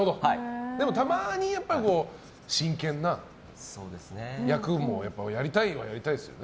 でもたまにやっぱり真剣な役もやりたいは、やりたいですよね。